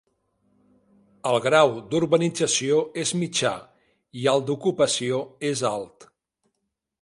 El grau d'urbanització és mitjà i el d'ocupació és alt.